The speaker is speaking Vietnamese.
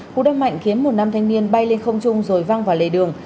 cú đâm mạnh khiến một nam thanh niên bay lên không trung rồi văng vào lề đường